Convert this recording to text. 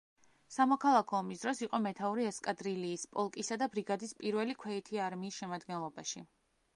სამოქალაქო ომის დროს, იყო მეთაური ესკადრილიის, პოლკისა და ბრიგადის პირველი ქვეითი არმიის შემადგენლობაში.